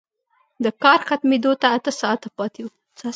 د کار ختمېدو ته اته ساعته پاتې وو